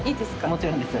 もちろんです。